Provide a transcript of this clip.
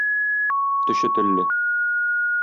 Төче телле.